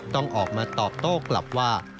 ต้องออกมาตอบโต้กลับว่า